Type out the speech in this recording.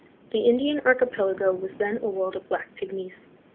The Indian archipelago was then a world of black pygmies.